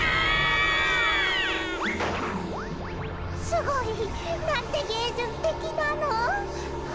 すごいなんてげいじゅつてきなの！